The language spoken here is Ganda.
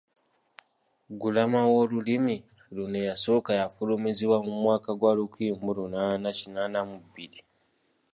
Ggulama w’Olulimi luno eyasooka yafulumizibwa mu mwaka gwa lukumi mu lunaana kinaana mu bbiri.